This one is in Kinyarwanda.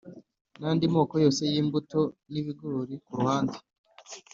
n’andi moko yose y’imbuto, n’ibigori ku ruhande.